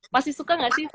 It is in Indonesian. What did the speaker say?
masih suka gak sih